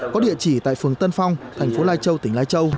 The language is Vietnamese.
có địa chỉ tại phường tân phong thành phố lai châu tỉnh lai châu